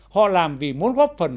họ làm vì muốn góp phần